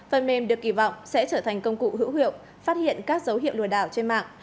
phần mềm được kỳ vọng sẽ trở thành công cụ hữu hiệu phát hiện các dấu hiệu lừa đảo trên mạng